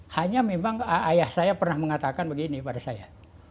hanya memang ayah saya pernah mengatakan begini pada saya